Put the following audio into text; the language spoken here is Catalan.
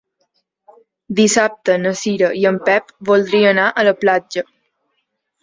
Dissabte na Cira i en Pep voldria anar a la platja.